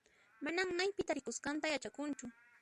Manan maypi tarikusqanta yachankuchu.